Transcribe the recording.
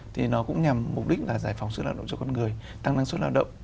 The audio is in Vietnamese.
thì nó cũng nhằm mục đích là giải phóng sức lao động cho con người tăng năng suất lao động